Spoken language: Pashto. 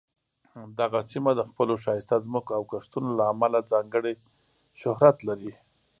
دغه سیمه د خپلو ښایسته ځمکو او کښتونو له امله ځانګړې شهرت لري.